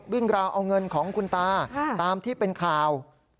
ราวเอาเงินของคุณตาตามที่เป็นข่าว